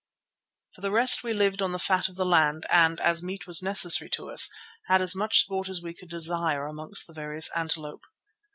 For the rest we lived on the fat of the land and, as meat was necessary to us, had as much sport as we could desire among the various antelope.